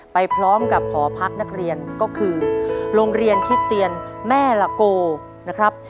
ไปพร้อมกับหอพักนักเรียนก็คือโรงเรียนคิสเตียนแม่ละโกนะครับ